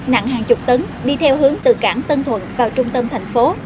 nặng hàng chục tấn đi theo hướng từ cảng tân thuận vào trung tâm thành phố